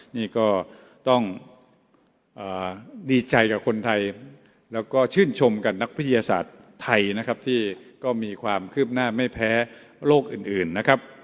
นี่ก็ต้องดีใจกับคนไทยและชื่นชมกับนักพยาศาสตร์ไทยที่มีความคืบหน้าไม่แพ้โลกอื่น